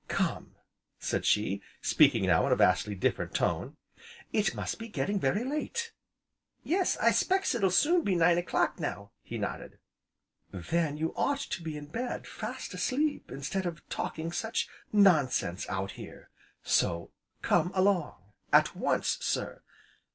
"Come!" said she, speaking now in a vastly different tone, "it must be getting very late " "Yes, I s'pecks it'll soon be nine o'clock, now!" he nodded. "Then you ought to be in bed, fast asleep instead of talking such nonsense, out here. So come along at once, sir!"